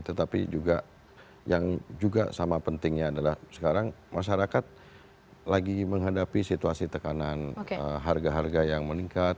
tetapi juga yang juga sama pentingnya adalah sekarang masyarakat lagi menghadapi situasi tekanan harga harga yang meningkat